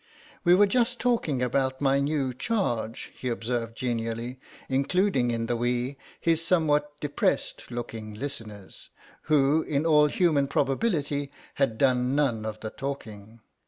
"We were just talking about my new charge," he observed genially, including in the "we" his somewhat depressed looking listeners, who in all human probability had done none of the talking.